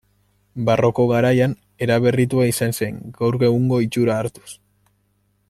Barroko garaian eraberritua izan zen, gaur egungo itxura hartuz.